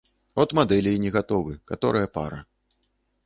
От мадэлі і не гатовы, каторая пара.